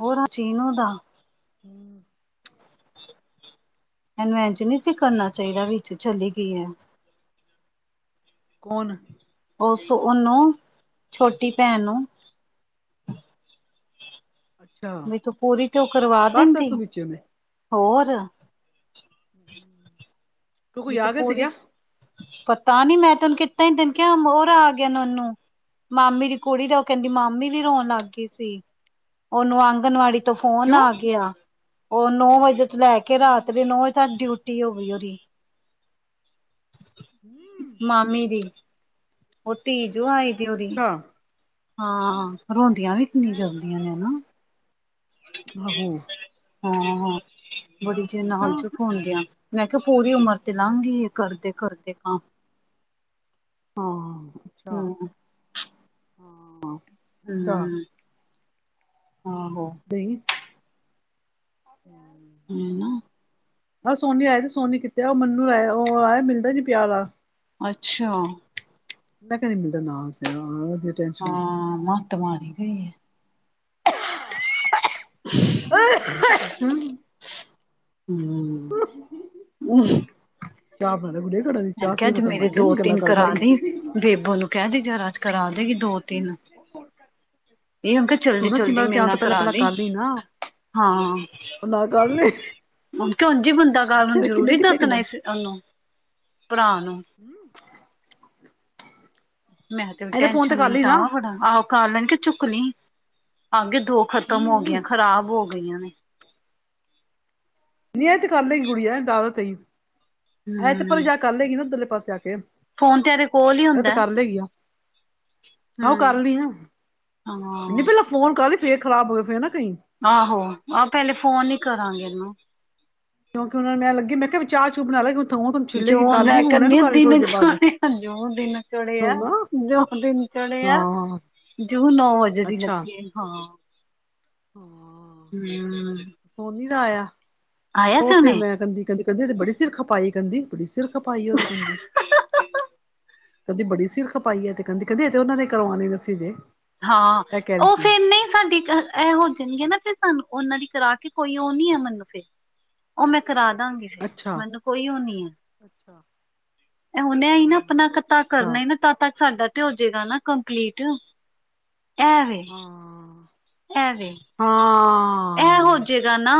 ਉਹ ਨਾ ਚੀਨੋ ਦਾ ਹਮ [unintelligible] ਇਹਨੂੰ ਅੱਛਾ ਇੰਜ ਨਹੀਂ ਕਰਨਾ ਚਾਹੀਦਾ ਵਿਚ ਚੱਲੀ ਗਈ ਹੈ। ਕੌਣ? ਉਸ ਉਹਨੂੰ ਛੋਟੀ ਭੈਣ ਨੂੰ ਅੱਛਾ ਵੀ ਤੂੰ ਪੂਰੀ ਉਹ ਕਰਵਾ ਕਰਤਾ ਦਿੰਦੀ, ਤੂੰ ਵਿੱਚੇ ਉਹਨੇ ਹੋਰ [inaudible] ਵੀ ਕੋਈ ਆ ਤੂੰ ਗਿਆ ਪੂਰੀ ਸੀਗਾ ਪਤਾ ਨੀ ਮੈਂ ਤੈਨੂੰ ਕਿੱਦਾਂ ਹੀ ਦਿਨ ਕਿਹਾ ਹੋਰ ਆ ਗਿਆ ਨੋਨੂੰ ਮਾਮੀ ਦੀ ਕੁੜੀ ਦਾ ਉਹ ਕਹਿੰਦੀ ਮਾਮੀ ਵੀ ਰੋਣ ਲੱਗ ਗਈ ਸੀ ਉਹਨੂੰ ਆਂਗਣਵਾੜੀ ਤੋਂ ਫੋਨ ਕਿਉਂ ਆ ਗਿਆ। ਉਹ ਨੌ ਵਜੇ ਤੋਂ ਲੈ ਕੇ ਰਾਤ ਦੇ ਹਮ ਨੌ ਵਜੇ ਤੱਕ ਡਿਊਟੀ ਹੋ ਗਈ ਉਹਦੀ। ਮਾਮੀ ਦੀ ਉਹ ਧੀ-ਜਵਾਈ ਅੱਛਾ। ਹਾਂ, ਰੋਂਦੀਆਂ ਵੀ ਕਿੰਨੀਆਂ ਜਲਦੀਆਂ ਨੇ ਨਾ। ਆਹੋ। ਹਾਂ-ਹਾਂ, ਬੜੀ ਜ ਅੱਛਾ ਨਾਲ ਚ ਹੁਦਿਆਂ, ਮੈਂ ਕਿਹਾ ਪੂਰੀ ਉਮਰ ਤੇ ਲਾਂਗਗੀ ਆ ਕਰਦੇ- ਕਰਦੇ ਕਮ। ਹਾਂ ਅੱਛਾ, ਹੂੰ-ਹੂੰ ਹਾਂ। ਅੱਛਾ ਹੂੰ, ਆਹੋ। ਨਹੀਂ। ਹੂੰ। ਹੂੰ ਨਾ। ਆਹ ਸੋਨੀ ਆਏ ਤੇ ਸੋਨੀ ਕਿਤੇ ਉਹ ਮੰਨੂੰ ਆ ਉਹ ਆਇਆ ਮਿਲਦਾ ਨੀ ਪਿਆ। ਅੱਛਾ। ਮੈਂ ਕਿਹਾ ਮੁੰਡਾ ਨਾਲ ਸਿਆ। ਹਾਂ, ਮੱਤ ਮਾਰੀ ਗਈ ਹੈ। ਅ ਹ ਹ। ਹੂੰ। 'ਚ ਬਣਾਦੇ ਬੜੀਆ ਘੜਾ ਦੇ। ਮਨ ਕਿਹਾ ਜ ਮੇਰੇ ਦੋ-ਤਿੰਨ ਕਰਾ ਦੀ, ਬੇਬੋ ਨੂੰ ਕਹਿ ਦੀ ਜਰਾ ਅਜੱ ਕਰਾ ਦੇਗੀ ਦੋ-ਤਿੰਨ। ਇਹ ੳਨ ਕਿਹ ਤੂੰ ਨਾ ਜਲਦੀ-ਜਲਦੀ ਸਿਮਰਨ ਤੇ ਮੇਰੇ ਆਣ ਨਾ ਤੋਂ ਪਹਿਲਾਂ ਕਰਾ ਪਹਿਲਾਂ ਦੀ ਕਰ ਲਈ ਨਾ ਆ। ਹਾਂ, ਉਹ ਨਾ ਕਰ ਲਈ ਕਿ ਹਣ ਜ ਬੰਦਾ ਗੱਲ ਨੂੰ ਤੇਰੇ ਕਿੰਨੇ ਜ਼ਰੂਰੀ ਕਿੰਨੇ ਕਿੰਨਾ ਦੱਸਣਾ ਸੀ। ਤੁਹਾਨੂੰ ਭਰਾ ਨੂੰ। ਹਮ। ਮੈਂ ਤੇ ਵੀ ਇਹਨੇ ਫੋਨ ਟੈਨਸ਼ਨ ਵੀ ਕਰ ਲਈ ਨਾ ਮਿਟਾਵਾਂ, ਬੜਾ ਆ ਕਰ ਲੈਣ ਕੇ ਚੁੱਕ ਲਈ -ਆ ਗੇ ਦੋ। ਖ਼ਤਮ ਹੋ ਹੂੰ ਗਈਆਂ ਖ਼ਰਾਬ ਹੋ ਗਈਆਂ ਨੇ। ਨੀ ਇਹ ਤੇ ਕਰ ਲੈਗੀ ਕੁੜੀ ਐ ਦਦਾ ਤੇਈ ਐ ਤੇ ਪਰ ਜਾ ਕਰ ਲੈਗੀ ਨਾ ਇਧਰ ਲੇ ਪਾਸੇ ਆ ਕੇ। ਫ਼ੋਨ ਤੇ ਇਹਦੇ ਕੋਲ ਹੀ ਹੁੰਦਾ ਹੈ। ਹ ਆ ਕਰ ਲਈ ਆ ਨਹੀਂ, ਹਾਂ ਪਹਿਲਾਂ ਫੋਨ ਕਰ ਲਈ ਫੇਰ ਖ਼ਰਾਬ ਹੋ ਗਏ ਫੇਰ ਨਾ ਕਈ। ਆਹੋ, ਆਹ ਪਹਿਲੇ ਫੋਨ ਹੀ ਕਰਾਂਗੇ ਇਹਨੂੰ। ਕਿਉਂਕਿ ਉਹਨਾਂ ਨੂੰ ਐ ਲਗੇ, ਮੈਂ ਕਿਹਾ ਵੀ ਚਾਹ ਚੂ ਬਣਾ ਲੈਉ ਜੋ ਗੀਈ ਕੱਲ ਹੀ ਹੁਣ ਇਹਨੂੰ ਕਰਨੀ ਕਰ ਥੋੜੀ ਦਿਨ ਦੇਰ ਬਾਅਦ ਚੜਿਆ ਜੋ ਦਿਨ ਚੜਿਆ ਹਾਂ ਹਾਂ ਜ ਨੌ ਵਜੇ ਦੀ ਲੱਗੀ ਹਾਂ ਹਾਂ ਹਮ ਸੋਨੀ ਦਾ ਆਇਆ, ਆਇਆ ਉਹ ਸੀ ਫੇਰ ਉਹਨੇ ਮੈਂ ਕਹਦੀ ਕਹਿੰਦੀ ਕਹਿੰਦੀ ਬੜੀ ਸਿਰ ਖਪਾਈ ਕਹਦੀ ਬੜੀ ਸਿਰ। ਖਪਾਈ ਉਹ ਤੇ ਕਹਿੰਦੀ। ਕਹਿੰਦੀ ਬੜੀ ਸਿਰ ਖਪਾਈ ਹੈ ਤੇ ਕਹਿੰਦੀ-ਕਹਿੰਦੀ ਇਹ ਤੇ ਉਹਨਾਂ ਨੇ ਕਰਵਾਉਣੇ ਦਸੀ ਜੇ। ਹਾਂ ਇਹ ਕਹਿ ਰਹੀ ਉਹ ਸੀ ਫੇਰ ਨਹੀਂ ਸਾਡੀ ਕ। ਇਹ ਹੋ ਜਾਣਗੇ ਨਾ ਫਿਰ ਸਾਨੂੰ ਉਹਨਾਂ ਦੀ ਕਰਾ ਕੇ ਕੋਈ ਉਹ ਨੀ ਹੈ ਮੈਨੂੰ ਫਿਰ, ਉਹ ਮੈਂ ਕਰਾ ਦਾਂਗੀ। ਅੱਛਾ, ਮੈਨੂੰ ਕੋਈ ਓ ਨੀ ਹ। ਅੱਛਾ, ਅ ਉਹਨੇ ਹੀ ਨਾ ਆਪਣਾ ਹਾਂ, ਤ ਕਰਨਾ ਅੱਛਾ, ਹੀ ਨਾ ਤ ਤੱਕ ਸਾਡਾ ਤੇ ਹੋਜੇਗਾ ਨਾ ਕੰਪਲੀਟ। ਐ ਵੇ। ਹਾਂ। ਐਵੇਂ। ਹਾਂ ਆ। ਇਹ ਹੋਜੇਗਾ ਨਾ।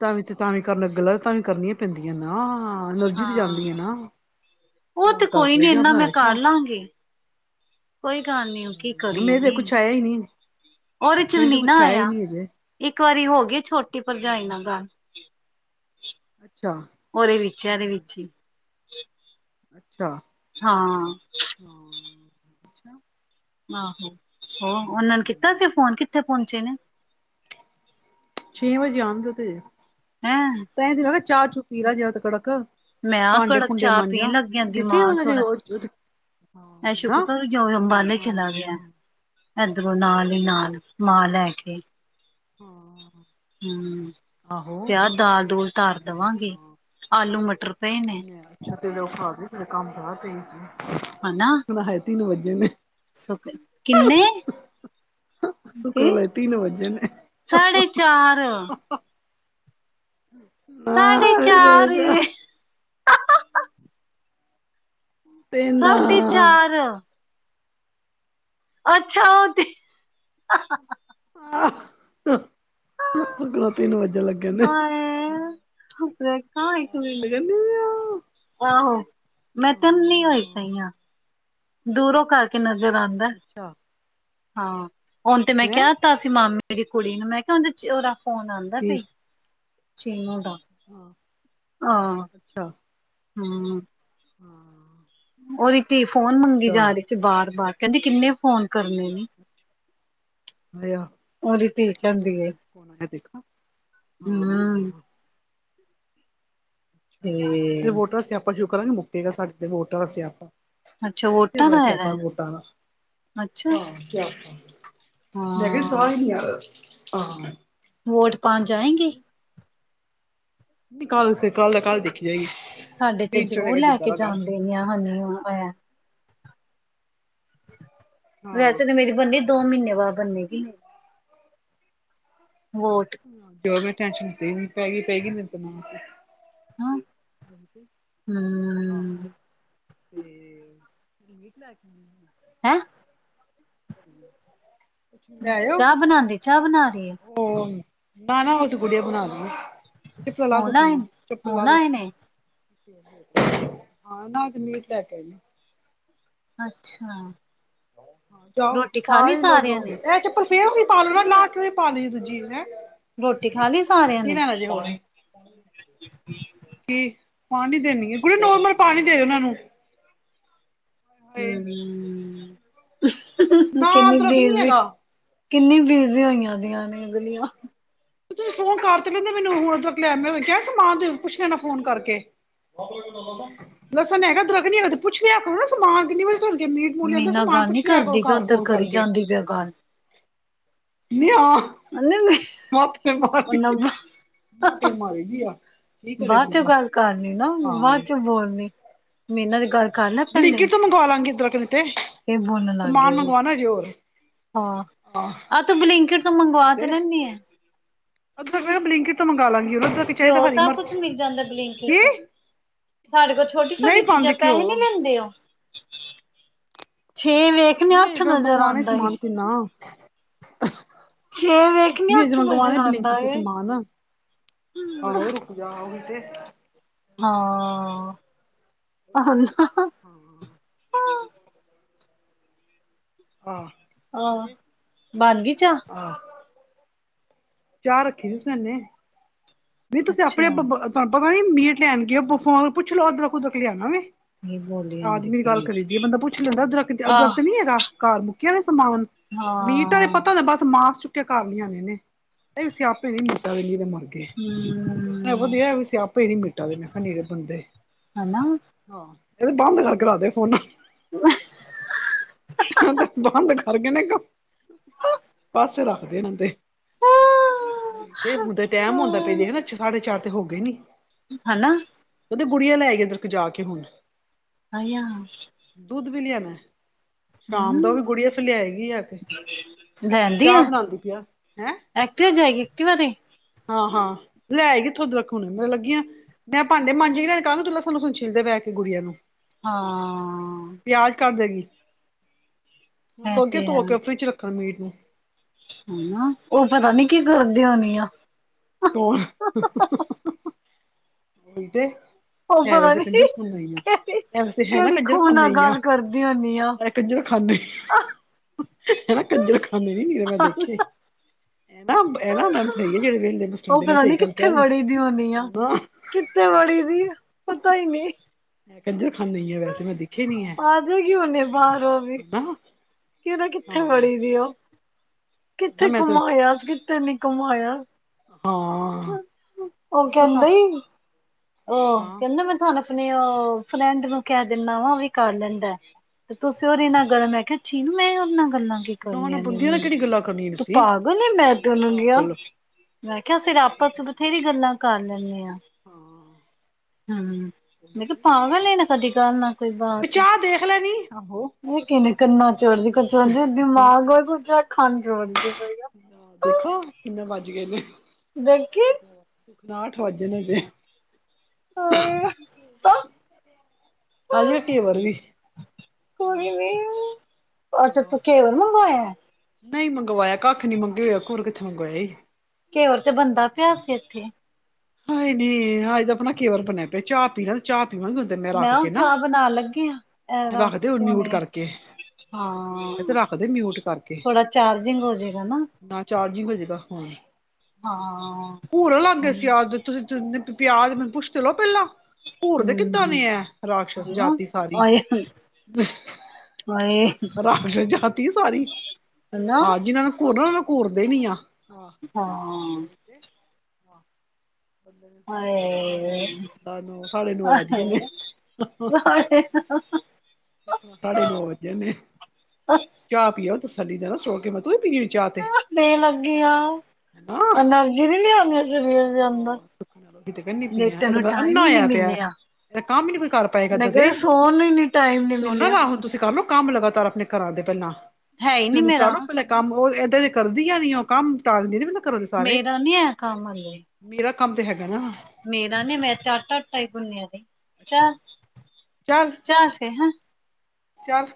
ਤ ਵੀ ਤੇ ਤਾ ਵੀ ਕਰਨਾ ਗੱਲਾਂ ਤਾ ਵੀ ਕਰਨੀਆਂ ਪੈਂਦੀਆਂ ਨਾ, ਐਨਰਜੀ ਤੇ ਹਾਂ ਜਾਂਦੀਆਂ ਨਾ। ਉਹ ਤੇ ਫੋਨ ਕੋਈ ਕਰਕੇ ਨੀ ਜਾ ਇਨਾ ਬਣਾ ਮੈਂ ਲੈ ਕਰ ਚਾਹ ਲਾਂਗੀ। ਕੋਈ ਗੱਲ ਨੀ ਕੀ ਕਰੀਐ, ਮੇਰੇ ਤੇ ਕੁਛ ਆਇਆ ਹੀ ਨਹੀਂ ੳਹ ਦੇ 'ਚ ਮੇਰੇ ਤੇ ਨੀ ਕੁਛ ਨਾ ਹੀ ਆਇਆ ਨਹੀਂ ਹਜੇ। ਇੱਕ ਵਾਰੀ ਹੋਗੀ ਛੋਟੀ ਭਰਜਾਈ ਹਾਂ, ਨਾਲ ਗੱਲ ਅੱਛਾ ਉਹਦੇ ਵਿੱਚ, ਇਹਦੇ ਹਾਂ, ਵਿੱਚ ਹੀ ਅੱਛਾ- ਹਾਂ ਹਾਂ ਅੱਛਾ ਆਹੋ ਹੋ, ਉਹਨਾਂ ਨੇ ਕੀਤਾ ਸੀ ਫੋਨ ਕਿੱਥੇ ਪਹੁੰਚੇ ਨੇ? ਛੇ ਵਜੇ ਆਉਣ ਗੇ ੳਹ ਤੇ, ਹੈਂ ਤ ਦਿ ਮ ਕਿਹਾ ਚਾਹ ਚੁ ਪੀ ਲਾ ਤੇ ਕੜਕ ਮੈਂ ਆ ਭਾਂਡੇ ਕੜਕ ਭੂੰਡੇ ਚਾਹ ਪੀਣ ਮਾਂਜਾਂ, ਲੱਗਿਆ ਦੇਖੇ ਉਹਦੇ ਦੇ ਐ ਸ਼ੁਕਰ ਜੋ ਅੰਬਾਲੇ ਚਲਾ ਗਿਆ ਇਧਰੋਂ ਨਾਲ ਹੀ ਨਾਲ ਮਾਲ ਲੈ ਕੇ ਹਾਂ ਹਮ ਆਹੋ ਆਹ ਦਾਲ ਦੁਲ ਤਰ ਦੇਵਾਂਗੇ, ਆਲੂ ਮਟਰ ਪਏ ਨੇ ੱਛਾ ਤੇ ਉਹ ਖਾ ਦੇ ਤੇਰੇ ਕੰਮ ਖਾ ਤੇਈ ਚੀ ਹਨਾ। ਸੁੱਕਣਾ ਹੈ, ਤਿੰਨ ਵੱਜੇ ਨੇ ਕਿੰਨੇ? ਸੁਖ ਕੀ ਨਾਲ ਤਿੰਨ ਵੱਜੇ ਨੇ ਸਾਢੇ ਚਾਰ ਸਾਡੇ ਚਾਰ ਨਾ ਤਿੰਨ ਸਾਢੇ ਚਾਰ ਅੱਛਾ, ਉਹ ਤੇ ਆਲ, ਦੋ- ਤਿੰਨ ਵੱਜਣ ਲੱਗੇ ਨੇ ਆ ਆਈ ਤ ਮ [unintelligible] ਤੇ ਕਹਿੰਦੀ ਹਾਂ ਆਹੋ, ਮੈਂ ਤੈਨ ਨੀ ਹੋਈ ਪਈ ਹਾਂ ਦੂਰੋਂ ਕਰਕੇ ਨਜ਼ਰ ਆਉਂਦਾ, ਅੱਛਾ ਹਾਂ ਹੁਣ ਤੇ ਮੈਂ ਹੈਂ ਕਹਿ ਤਾ ਅ ਮਾਮੇ ਦੀ ਕੁੜੀ ਨੂੰ ਮੈਂ ਕਿਹਾ, ਉਹਦੇ, ਉਹਦਾ ਫੋਨ ਆਉਂਦਾ ਕੀ ਪਈ, ਚੀਨੂੰ ਦਾ ਹਾਂ ਹਾਂ ਅੱਛਾ ਹਮ ਹਾਂ ਓਹੀ ਤੇ ਫੋਨ ਮੰਗੀ ਅੱਛਾ ਜਾ ਰਹੀ ਸੀ ਵਾਰ-ਵਾਰ, ਕਹਿੰਦੀ ਕਿੰਨੇ ਫੋਨ ਕਰਨੇ ਨੇ। ਉਹਦੀ ਧੀ ਕਹਿੰਦੀ ਏ [unintelligible] ਐ ਦੇਖ ਹਾਂ ਹੂੰ ਤੇ ਵੋਟਰਾ ਸਆਪਾ ਸ਼ੁਕਰਾਂ ਮੁੱਕੇਗਾ ਸਾਡੇ ਵੋਟਰਂ ਸਆਪਾਂ ਅੱਛਾ ਐ ਵੋਟਾਂ ਬੜਾ ਦਾ ਸਿਆਪਾ ਹੈਗਾ ਵੋਟਾ ਦਾ ਅੱਛਾ [unintelligible] ਸਾਹ ਹਾਂ ਵੋਟ ਪਾਣ ਜਾਏਂਗੀ। ਕੱਲ ਸੀ, ਕੱਲ ਦਾ ਕੱਲ੍ਹ ਦੇਖੀ ਜਾਏਗੀ ਸਾਡੇ ਤੇ ਦਿਨ ਜ਼ਰੂਰ ਚੜੇਗਾ ਲੈ ਜਿੱਦਾਂ ਕੇ ਦਾ ਕੱਲ ਜਾਂਦੀਆ ਹਨੀਆ ਐ ਹਾਂ ਵੈਸੇ ਤਾਂ ਮੇਰੀ ਬਣਨੀ, ਦੋ ਮਹੀਨੇ ਬਾਅਦ ਬਣੇਗੀ ਵੋਟ ਜੋ ਮ ਟੈਨਸ਼ਨ ਪੈ ਪੈਗੀ ਨਹੀ ਤਾਂ ਨਾ ਸਹੀ ਹਾਂ ਹਾਂ ਹਾਂ ਹੂੰ ਤੇ ਮਕ ਲੈ ਕੇ [unintelligible] ਹੈਂ ਹੀ ਚਾਹ ਬਣਾਉਂਦੀ, ਚਾਹ ਬਣਾ ਰਹੀ ਏ ਹੋ, ਨਾ -ਨਾ ਉਹ ਤੇ ਗੁੜੀਆ ਬਣਾ ਦੀਆਂ ਚਪਲਾਂ ਲਾਹ ਹੁਣ ਆਏ ਸੁੁੱਟਣੀਆਂ, ਨੇ ਚੱਪਲ ਹੁਣ ਲਾਹ ਦੋ ਆਏ ਨੇ ਹਾਂ ਨਾ ਤੇ ਮੀ ਲ ਕੇ ਨੇ ਅੱਛਾ। ਹਾ ਜਾਓ ਪਾ ਲੀ ਸਾਰਿਆਂ ਓਦਰੋ ਨੇ ਏਹ ਚੱਪਲ ਫੇਰ ਵੀ ਪਾ ਲਵਾਂ ਨਹਾ ਕੇ ਵੀ ਪਾ ਲਈ ਐ ਦੂਜੀ। ਰੋਟੀ ਕੀ- ਖਾ ਲਈ ਸਾਰਿਆਂ ਕੀ ਨੇ ਲੈਣਾ ਜੇ ਹੋਰ? ਕੀ ਪਾਨੀ ਦੇਨੀ ਐ, ਕੁੜੀ ਏ ਨੋਰਮਲ ਪਾਣੀ ਦੇ ਓਨਾਂ ਨੂੰ। ਹਾਏ [unintelligible] ਨਾ ਕਿੰਨੀ ਅਦਰਕ ਨੀ ਹੈਗਾ ਬਿਜ਼ੀ ਹੋਈਆਂ ਦੀਆਂ ਨੇ ਗਲੀਆਂ। ਤੁਸੀਂ ਫੋਨ ਕਰ ਤੇ [unintelligible] ਮੈਨੂੰ ਹੁਣ ਤੱਕ ਲੈ, ਮੈਂ ਹੋ ਕਿਆ ਸਮਾਨ ਪੁੱਛ ਲੈਣਾ ਫੋਨ ਕਰਕੇ? [unintelligible] ਲਸਣ ਹੈਗਾ ਅਦਰਕ ਨਹੀ ਹੈ, ਪੁੱਛ ਲੈ ਕਰੋ ਸਮਾਨ ਕਿੰਨੀ ਵਾਰੀ। [unintelligible] ਦਾ ਸਮਾਨ ਪੁੱਛ ਲਿਆ ਕਰੋ ਘਰ ਫੋਨ ਕਰਕੇ ਵੀਡੀਓ ਕਾਲ [unintelligible] ਮਾਤਰੇ ਮਾਰੀ [unintelligible] ਮਾਤਰੇ [unintelligible] ਮਾਰੀ ਦੀ ਆ ਕੀ ਕਰੇ ਬਾਅ ਚੋਂ ਬੰਦਾ ਗੱਲ ਕਰ ਲੀ ਨਾ ਬਾਅ ਹਾਂ ਚੋਂ ਬੋਲਣੀ। ਮੀਨਾ ਵੀ ਗਰ ਬਲਿੰਕਿਟ ਤੋਂ ਮੰਗਵਾ ਲਾਂਗੇ ਇੱਧਰ ਕ ਤੇ ਕੇ ਬੋਲਣ ਲੱਗ ਗਏ ਸਮਾਨ ਵੀ ਮੰਗਵਾਣਾ ਹਜੇ ਹੋਰ ਹਾਂ ਹਾਂ ਆਹ ਤੂੰ ਬਲਿੰਕਿਟ ਬਲਿੰਕਿਟ ਤੋਂ ਮੰਗਾ ਲਾਂਗੀ। ਉਦਰ ਤੇ ਓਹ ਸਭ ਕੁਛ ਮਿਲ ਜਾਂਦਾ ਬਲਿੰਕਿਟ ਤੋਂ ਸਾਡੇ ਕੋਲ ਛੋਟੀ-ਛੋਟੀ ਨਹੀਂ ਚੀਜ਼ਾਂ ਪਾਉਂਦੀ ਘਿਓ ਪੈਸੇ ਨੀ ਲੈਂਦੇ ਔ। [unintelligible] ਛੇ ਵੇਖ ਨੇ ਨਹੀਂ ਅੱਠ ਮੇਂ ਨਜ਼ਰ ਮੰਗਵਾਉਨਾ ਆਂਦਾ ਈ। ਸਮਾਨ ਕਿੰਨਾ ਛੇ ਵੇਖਣੀ ਨਈ ਅਜੇ ਅੱਠ ਵਜੇ ਮੰਗਵਾਣਾ ਆਉਂਦਾ ਬਲਿੰਕਿਟ ਤੋ ਏ। ਸਮਾਨ, ਆਹੋ ਰੁ ਜਾ ਆਉਂਦੇ। ਹਾਂ ਉਹੀ ਤੇ [unintelligible] ਹਾਂ ਹਾਂ ਆਹ [unintelligible] ਬਣ ਗਈ ਚਾਹ? ਹਾਂ। ਚਾਹ ਰੱਖੀ ਸੀ। ਵੀ ਤੁਸੀਂ ਅੱਛਾ ਆਪਣੇ ਪਤਾ ਨਹੀਂ ਮੀਟ ਲੈਣ ਕੀ ਪੁੱਛ ਲਓ ਜਰਾ। ਨੀ ਬੋਲ [unintelligible] ਮੇਰੀ ਗੱਲ ਕਰੀ ਦੀਏ ਬੰਦਾ ਪੁੱਛ ਲੈਂਦਾ। ਅਦਰਕ, ਅਦਰਕ ਆਹ ਤੇ ਨੀ ਹੈਗਾ ਘਰ ਮੁੱਕਿਆ ਸਮਾਨ ਮੀਟਾਂ ਦੇ ਹਾਂ ਪਤਾ ਬਸ ਮਾਸ ਚੁੱਕ ਕੇ ਘਰ ਲਿਆਉਣੇ ਨੇ। ਇਹੋ ਸਿਆਪੇ ਨ ਮੀਟਾਂ ਦੇ, ਨੀਰੇ ਮਰਗੇ। [inaudible] ਐ ਵਧੀਆ, ਐਵੀ ਸਿਆਪੇ ਈ ਨੀ ਮਿਟਾ ਦੇ, ਮੈਂ ਕਿਆ। ਨਿਰੇ ਬਣਦੇ। ਹਨਾ ਹਾਂ, ਏ ਬੰਦ ਕਰਕੇ ਰਖਦੇ ਫੋਨਾ [inaudible] ਬੰਦ ਕਰਕੇ ਨੇ ਇਕ, ਪਾਸੇ ਰੱਖਦੇ ਏਨਾ ਤੇ। ਏ ਹੁਣ ਤੇ ਟਾਈਮ ਹੁੰਦਾ ਪਿਆ। ਦੇਖ ਨਾ, ਸਾਢੇ ਚਾਰ ਤੇ ਹੋ ਗੇ ਨੀ। ਹਨਾ। ਓਹਦੀ ਗੁੜੀਆਂ ਲੈ ਗਈ ਆ ਇੱਧਰ ਕ ਜਾ ਕੇ ਹੁਣ। ਆਏਆ। ਦੁੱਧ ਵੀ ਲਿਆਣਾ। ਸ਼ਾਮ ਦਾ ਹਮ ਵੀ ਗੁੜੀਆ ਫਿਰ ਲਿਆਏਗੀ ਆ ਕੇ, ਲੈਂਦੀ ਆ ਚਾਹ ਬਣਾਂਦੀ ਪਈ ਆ ਹੈਂ। ਐਕਟਿਵਾ ਜਾਏਗੀ, ਐਕਟਿਵਾ ਤੇ? ਹਾਂ, ਹਾਂ ਲੈਏਗੀ [unintelligible] ਲੱਗੀਆਂ। ਮੈਂ ਭਾਂਡੇ ਮਾਂਜੀ ਦੇ ਨਾ ਕਾਲੂ ਤੂੰ ਲਸਨ ਲੁਸਨ ਛਿਲਦੇ ਬਹਿ ਕੇ ਗੁੜੀਆਂ ਨੂੰ। ਹਾਂ- ਹਾਂ। ਪਿਆਜ ਕਰ ਦੇਗੀ ਇਹ ਲੋਗੇ ਤੇ ਹੈ ਧੋ ਕੇ ਫਰਿਜ ਰੱਖਾਗੇ। ਹੈਨਾ, ਓਹ ਪਤਾ ਨੀ ਕੀ ਕਰਦੀ ਹੋਣੀ ਆ। ਤੂੰ ਉਹ [unintelligible] ਐਹਦਾ ਪਤਾ ਤਾਂ ਨੀ ਕੰਜਰਖਾਨਾ ਈ ਆ, ਕਿਹੜੀ ਐ ਵਸਤੇ ਹੈ ਨਾ ਕਿਹੜੀ ਖੂਹ ਕੰਜਰਖਾਨਾ ਨਾਲ ਈ ਆ। ਗੱਲ ਕਰਦੀ ਹੁੰਦੀ ਆ ਕੰਜਰਖਾਨੇ, ਹਨਾ ਕੰਜਰਖਾਨੇ ਨੀ ਮੈਂ ਐਵੇਂ ਦੇਖੇ। ਉਹ ਪਤਾ [unintelligible] ਕੀਤੇ ਵੜੀ ਦੀ, ਪਤਾ ਈ ਨੀ। ਏਧਰ ਖਾਂਦੇ ਈ ਐ, ਵੈਸੇ ਮੈਂ ਦੇ ਆ ਜੇਗੀ, ਹੁਣੇ ਬਾਹਰ ਉਹਵੀ। ਹਨਾ ਕਿ ਪਤਾ ਕਿੱਥੇ ਹਾਂ ਵੜੀ ਦੀ ਉਹ, ਨਾ ਕਿੱਥੇ ਮੈਂ ਤਾਂ ਘੁੰਮਾਇਆ ਸ, ਕਿੱਥੇ ਨੀ ਘੁੰਮਾਇਆ। ਹਾਂ। ਉਹ ਕੀ ਪਤਾ ਕਹਿੰਦੀ। ਆਂ, ਹਾਂ ਕਹਿੰਦਾ, ਮੈਂ ਤੁਹਾਨੂੰ ਸਨੇਹਾ ਫਰੈਂਡ ਨੂੰ ਕਹਿ ਦਿੰਦਾ ਵਾਂ, ਉਹਵੀ ਕਰ ਲੈਂਦਾ। ਤੇ ਤੁਸੀਂ ਔਰੇ ਨਾ, ਕਰ ਮੈਂ ਕਿਹਾ ਚਿਨੂੰ ਮੈਂ ਉਹਦੇ ਨਾਲ ਗੱਲਾਂ ਨਾ ਨਾ ਕਰਨੀਆਂ ਬੰਦਿਆਂ ਨੇ, ਕਿਹੜੀ ਗੱਲਾਂ ਕਰਨੀਆਂ ਤੂੰ ਸੀ ਪਾਗਲ ਐ ਮੈਂ, ਤੇ ਉਹਨੂੰ ਕਿਹਾ। ਪਾਗਲ ਮੈਂ ਕਿਹਾ, ਅਸੀਂ ਆਪਸ 'ਚ ਬਥੇਰੀ ਗੱਲਾਂ ਕਰ ਲੈਂਦੇ ਆਂ। ਹਾਂ। ਹੁੰ, ਮੈਂ ਕਿਹਾ, ਪਾਗਲ, ਨਾ ਕਦੀ ਗੱਲ ਨਾ ਉਹ ਚਾਹ ਦੇਖ ਲੈ ਨੀ, ਆਹੋ। ਏ ਕਿਨੇ ਕੰਨਾ ਚ ਦਿਮਾਗ [unintelligible] ਖਾਂ ਜੋੋੜਦੀ ਪਈਆਂ। ਦੇਖਾਂ, ਕਿੰਨੇ ਵੱਜ ਗਏ ਨੇ। ਦੇਖੀ ਆਠ ਵੱਜੇ ਨੇ ਹਜੇ। ਕੋਈ ਆਜਾ ਘੇਵਰ ਵੀ। ਆਹ ਅੱਛਾ, ਤੂੰ ਘੇਵਰ ਮੰਗਵਾਇਆ। ਨਹੀ ਮੰਗਵਾਇਆ, ਕੱਖ ਨੀ ਮੰਗੀਆ। ਘੇਵਰ-ਕੁਰ ਕਿੱਥੇ ਮੰਗਵਾਇਆ ਈ? ਘੇਵਰ, ਤੇ ਬੰਨਦਾ ਪੇਆ ਸੀ ਇੱਥੇ। ਹਾਏ ਨੀ, ਆਜ ਤਾਂ ਆਪਣਾ ਘੇਵਰ ਬਣਿਆ ਪਿਆ। ਚਾਹ ਪੀ ਲਾਂ, ਚਾਹ ਪੀਵਾਂਗੇ। ਮੈਂ ਹੁਣ ਚਾਹ ਬਣਾਨ ਲੱਗੀ ਆ, ਐ ਰੱਖ ਰੱਖਦੇ ਹੁਣ ਕੇ ਮਿਊਟ ਹੁਨੇ। ਕਰਕੇ ਇਹ ਤੇ ਹਾਂ, ਰੱਖਦੇ ਮਿਊਟ ਕਰਕੇ ਥੋੜਾ ਚਾਰਜਿੰਗ ਹੋ ਜੇਗਾ ਨਾ। ਨਾ, ਚਾਰਜਿੰਗ ਹੋਜੇਗਾ ਫੋਨ ਹਾਂ। ਕੂਰਨ ਲਾਗ ਤੁਸੀਂ, [unintelligible] [unintelligible] ਮੈਨੂੰ ਪੁੱਛ ਲੋ ਪੈਲਾਂ। ਘੁਰਦੇ ਕਿੱਦਾਂ ਹਮ ਨੇ ਐ, ਰਾਕਸ਼ਸ ਜਾਤੀ ਸਾਰੀ। ਹਾਏ ਤੀ ਸਾਰੀ ਆਹ ਜਿਨਾਂ ਨੂੰ ਘੁਰਨਾ ਉਹਨਾਂ ਨੂੰ ਘੁਰਦੇ ਵੀ ਆ। ਉਹੀ ਹਾਂ ਤੇ ਹਾਂ ਸੁੱਖ ਨਾਲ ਨ ਆ ਨੌ ਸਾਾਢੇ ਨੌ ਵੱਜ ਗੇ ਨੇ। ਸਾਢੇ ਨੌ ਵੱਜੇ ਨੇ। ਚਾਹ ਪੀਓ ਤਸੱਲੀ ਤਰਾਂ ਸੋ ਕੇ ਮੈਂ ਤੂੰ ਵੀ ਪੀ ਲ ਚਾਹ ਤੇ। ਦੇਣ ਲੱਗੀ ਆ ਏਨਰਜ਼ੀ ਨੀ ਲਿਆਉਣੀ। ਸਰੀਰ ਦੇ ਅੰਦਰ ਆਹ ਸੁੱਖ ਨਾਲ ਰੋਟੀ ਤੇ ਕਹਿੰਦੀ ਪਆ ਦੇਖ ਇਹ ਤੇ ਤੈਨੂੰ ਪਤਾ ਟਾਈਮ ਅੰਨਾ ਹੀ ਨੀ ਹੋਇਆ ਪਿਆ [unintelligible] ਮਿਲਿਆ ਇਹ ਕੰਮ ਹੀ ਨਹੀਂ ਕੋਈ ਕਰ ਪਾਏਗਾ ਮੈਂ ਤਦੇ ਕਿਹਾ ਸੋਣ ਨੂੰ ਨੀ ਟਾਈਮ ਨੀ ਉਹਨਾ [unintelligible] ਮਿਲਿਆ ਲ ਹੁਣ ਤੁਸੀਂ ਕਰ ਲਓ ਕੰਮ ਲਗਾਤਾਰ ਆਪਣੇ ਕਰਾਂ ਦੇ ਪੈਲਾਂ। ਹੈ ਈ, ਨੀ ਮੇਰਾ। ਕੰਮ ਔ ਏਦਾਂ ਦੇ ਕਰਦੀਆਂ ਰੀਆ ਔ। ਕੰਮ ਟਾਲਦੀ, [unintelligible] ਕਰੋ ਮੇਰਾ ਨੀ ਐ, ਕੰਮ ਹਲੇ। ਮੇਰਾ ਕੰਮ, ਤੇ ਹੈਗਾ ਨਾ। ਮੇਰਾ ਨੇ, ਮੈਂ ਤੇ ਆਟਾ-ਆਟਾ [unintelligible] ਈ ਗੁੰਨਿਆਂ ਦਈ। ਅੱਛਾ, ਚੱਲ। ਚਲ ਫੇਰ ਹਂ। ਚੱਲ।